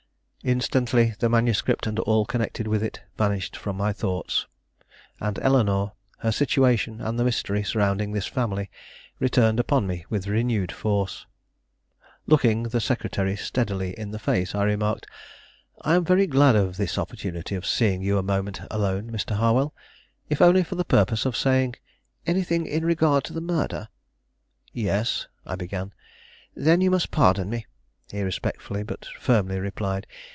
Instantly the manuscript and all connected with it vanished from my thoughts; and Eleanore, her situation, and the mystery surrounding this family, returned upon me with renewed force. Looking the secretary steadily in the face, I remarked: "I am very glad of this opportunity of seeing you a moment alone, Mr. Harwell, if only for the purpose of saying " "Anything in regard to the murder?" "Yes," I began. "Then you must pardon me," he respectfully but firmly replied.